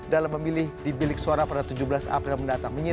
dalam memilih di bilik suara pada tujuh belas april mendatang